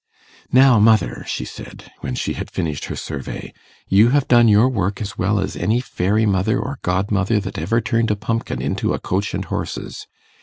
'Now, mother,' she said, when she had finished her survey, 'you have done your work as well as any fairy mother or god mother that ever turned a pumpkin into a coach and horses.